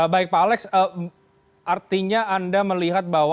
baik pak alex artinya anda melihat bahwa